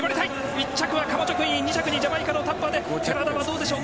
１着はカマチョクイン２着にジャマイカのタッパーで寺田はどうでしょう？